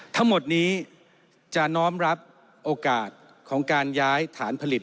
ทั้งหมดนี้จะน้อมรับโอกาสของการย้ายฐานผลิต